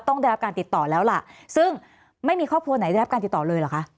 ต้องได้รับการติดต่อแล้วล่ะซึ่งไม่มีครอบครัวไหนได้รับการติดต่อเลยเหรอคะ